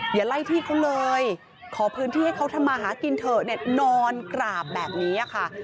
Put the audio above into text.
อย่าไล่ที่เขาเลยขอพื้นที่ให้เขาทำมาหากินเถอะเนี่ยนอนกราบแบบนี้ค่ะ